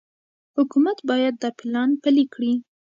حکومت باید دا پلان پلي کړي.